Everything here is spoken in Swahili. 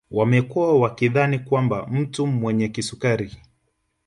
Wamekuwa wakidhani kwamba mtu mwenye kisukari